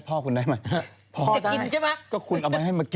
พ่อคุณได้เอามาติ